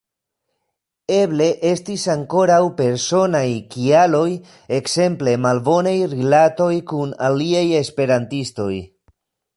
Eble estis ankaŭ personaj kialoj, ekzemple malbonaj rilatoj kun aliaj esperantistoj.